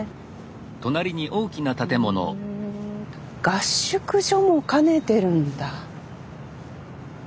合宿所も兼ねてるんだ。